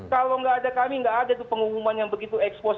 kalau nggak ada kami nggak ada tuh pengumuman yang begitu ekspos